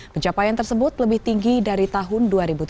pencapaian tersebut lebih tinggi dari tahun dua ribu tujuh belas